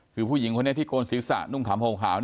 คือผู้หญิงคนนี้ที่โกนศิษย์ศาสตร์นุ่งขำโฮงขาว